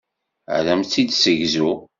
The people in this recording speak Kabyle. Ad am-tt-id-ssegzuɣ.